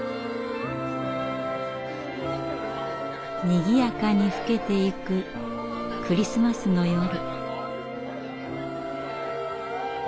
にぎやかに更けていくクリスマスの夜。